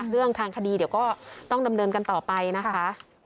เรื่องทางคดีเดี๋ยวก็ต้องดำเนินกันต่อไปนะคะ